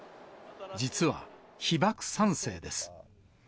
実は被爆３世です。